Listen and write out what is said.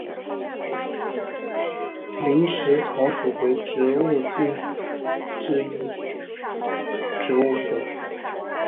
林石草属为植物界之一植物属。